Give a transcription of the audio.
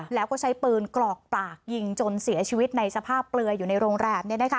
แล้วก็ใช้ปืนกรอกปากยิงจนเสียชีวิตในสภาพเปลืออยู่ในโรงแรม